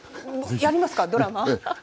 やりますかドラマ？